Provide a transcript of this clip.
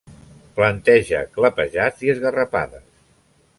Planteja clapejats i esgarrapades.